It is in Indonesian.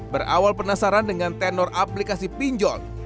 berawal penasaran dengan tenor aplikasi pinjol